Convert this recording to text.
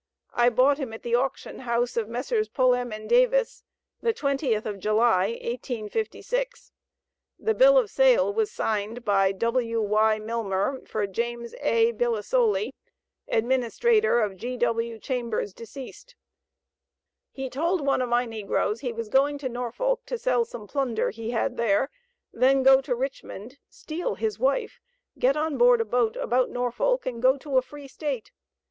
I bought him at the Auction house of Messrs. Pulham & Davis, the 20th of July, 1856. The bill of sale was signed by W.Y. Milmer for Jas. A. Bilisoly, administrator of G.W. Chambers, dec'd. He told one of my negroes he was going to Norfolk to sell some plunder he had there, then go to Richmond, steal his wife, get on board a boat about Norfolk, and go to a free State.